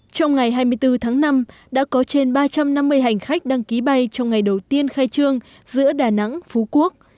trong ngày hai mươi bốn tháng năm đã có trên ba trăm năm mươi hành khách đăng ký bay trong ngày đầu tiên khai trương giữa đà nẵng phú quốc